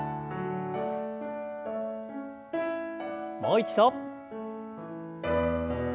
もう一度。